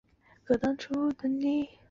小穆瓦厄夫尔人口变化图示